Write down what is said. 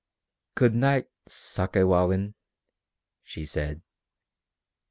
"Good night, Sakewawin!" she said.